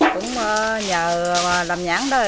cũng nhờ làm nhãn đó